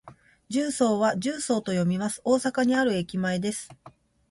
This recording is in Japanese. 十三は「じゅうそう」と読みます。大阪にある駅前です。